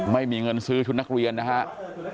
ไม่มีเงินซื้อชุดนักเรียนนะครับ